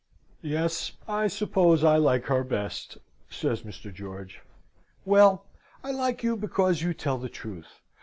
"Yes, I suppose I like her best," says Mr. George. "Well, I like you because you tell the truth.